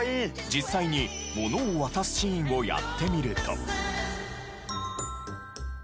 実際にものを渡すシーンをやってみると。